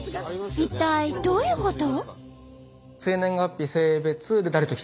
一体どういうこと？